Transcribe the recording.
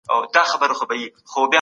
ډېر پخوا و خلیفه د عباسیانو